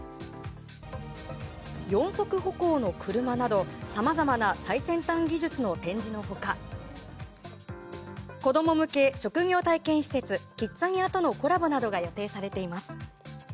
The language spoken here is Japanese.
４足歩行の車などさまざまな最先端技術の展示の他子供向け職業体験施設キッザニアとのコラボなどが予定されています。